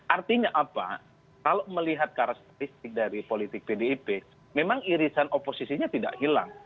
artinya apa kalau melihat karakteristik dari politik pdip memang irisan oposisinya tidak hilang